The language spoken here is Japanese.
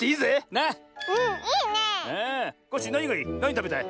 なにたべたい？